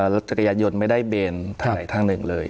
รถจักรยานยนต์ไม่ได้เบนทางไหนทางหนึ่งเลย